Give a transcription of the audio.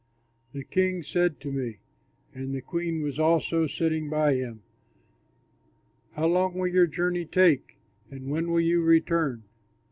The king said to me (and the queen was also sitting by him), "How long will your journey take, and when will you return?"